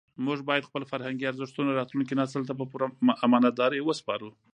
موږ باید خپل فرهنګي ارزښتونه راتلونکي نسل ته په پوره امانتدارۍ وسپارو.